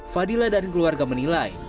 fadila dan keluarga menilai